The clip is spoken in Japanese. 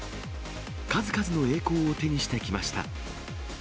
数々の栄光を手にしてきました。